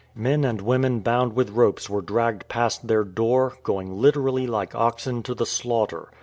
Men and women bound with ropes were dragged past their door, going literally like oxen to the slaughter.